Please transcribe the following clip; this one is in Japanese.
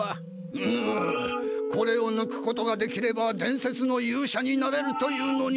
うむこれをぬくことができれば伝説の勇者になれるというのに。